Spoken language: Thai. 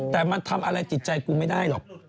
แต่มันทำอะไรจิตใจกูไม่ได้หรอก